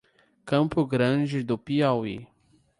Campo Grande do Piauí